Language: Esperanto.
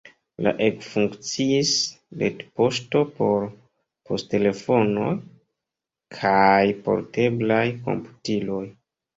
La ekfunkciis retpoŝto por poŝtelefonoj kaj porteblaj komputiloj.